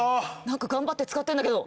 何か頑張って使ってんだけど。